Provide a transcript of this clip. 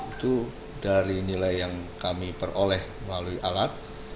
itu dari nilai yang kami peroleh melalui alat